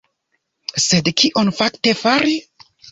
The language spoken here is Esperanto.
Sed kion fakte fari?